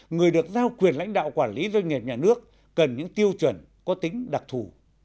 người được giao quyền lãnh đạo quản lý doanh nghiệp nhà nước cần những tiêu chuẩn có tính đặc thù